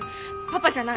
パパじゃない。